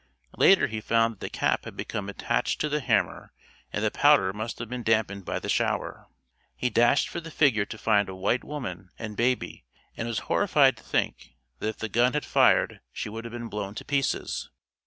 Later he found that the cap had become attached to the hammer and the powder must have been dampened by the shower. He dashed for the figure to find a white woman and baby and was horrified to think that if the gun had fired she would have been blown to pieces.